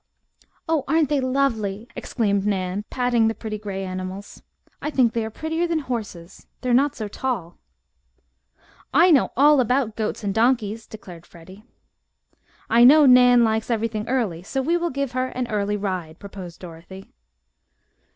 "Oh, aren't they lovely!" exclaimed Nan, patting the pretty gray animals. "I think they are prettier than horses, they are not so tall." "I know all about goats and donkeys," declared Freddie. "I know Nan likes everything early, so we will give her an early ride," proposed Dorothy.